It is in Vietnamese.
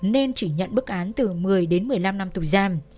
nên chỉ nhận bức án từ một mươi đến một mươi năm năm tù giam